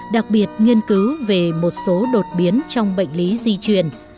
đặc biệt nghiên cứu về một số đột biến trong bệnh lý di truyền